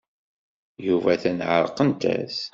Yuba atan ɛerqent-as.